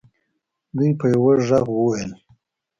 دوی په یوه ږغ وویل.